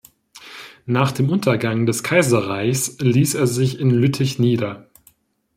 Nach dem Untergang des Kaiserreichs ließ er sich in Lüttich nieder.